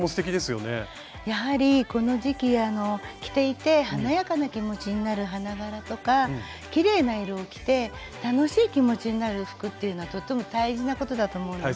やはりこの時期着ていて華やかな気持ちになる花柄とかきれいな色を着て楽しい気持ちになる服っていうのはとっても大事なことだと思うんです。